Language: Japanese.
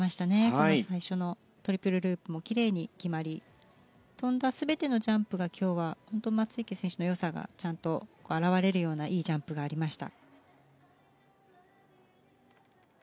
この最初のトリプルループも奇麗に決まり跳んだ全てのジャンプが今日は松生選手のよさがちゃんと表れるようないいジャンプがありました。